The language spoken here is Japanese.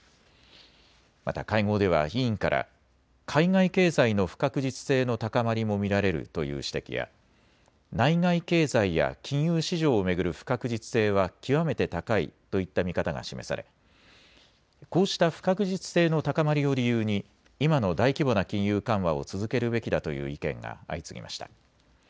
また会合では委員から海外経済の不確実性の高まりも見られるという指摘や内外経済や金融市場を巡る不確実性は極めて高いといった見方が示されこうした不確実性の高まりを理由に今の大規模な金融緩和を続けるべきだという意見が相次ぎました。